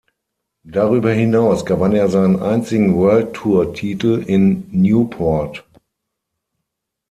Darüber hinaus gewann er seinen einzigen World-Tour-Titel in Newport.